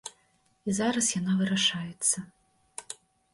І зараз яна вырашаецца.